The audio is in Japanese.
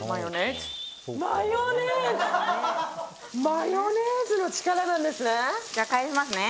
マヨネーズの力なんですね。